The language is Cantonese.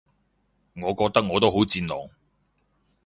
我覺得我都好戰狼